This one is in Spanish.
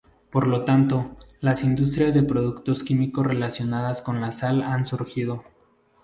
Por lo tanto, las industrias de productos químicos relacionados con la sal han surgido.